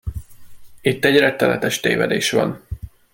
Itt egy rettenetes tévedés van!